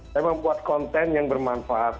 saya membuat konten yang bermanfaat